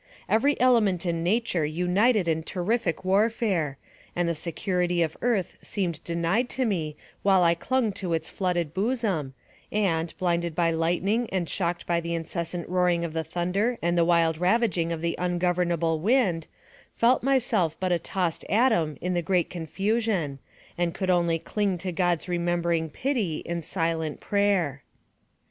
Every element in nature united in terrific warfare, and the security of earth seemed denied to me while I clung to its flooded bosom, and, blinded by lightning and shocked by the incessant roaring of the thunder and the wild ravaging of the ungovernable wind, felt myself but a tossed atom in the great confusion, and could only cling to God's remembering pity in silent prayer.